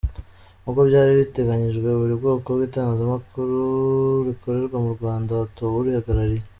Nk’uko byari biteganyijwe, buri bwoko bw’itangazamakuru rikorerwa mu Rwanda hatowe urihagarariye.